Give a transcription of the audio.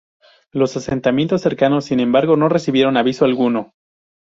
Los asentamientos cercanos, sin embargo, no recibieron aviso alguno.